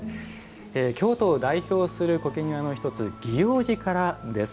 京都を代表する苔庭の１つ祇王寺からです。